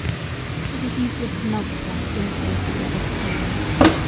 It is useless to multiply instances of this kind.